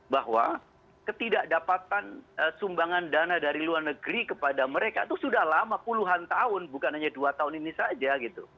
bahwa ketidakdapatan sumbangan dana dari luar negeri kepada mereka itu sudah lama puluhan tahun bukan hanya dua tahun ini saja gitu